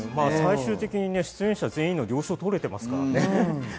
出演者全員の了承が取れていますからね。